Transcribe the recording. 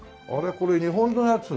これ日本のやつ？